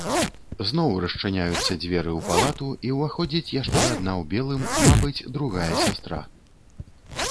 Зноў расчыняюцца дзверы ў палату, і ўваходзіць яшчэ адна ў белым, мабыць, другая сястра.